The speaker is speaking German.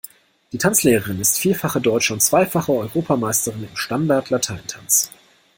Die Tanzlehrerin ist vierfache deutsche und zweifache Europameisterin im Standart Latein Tanz.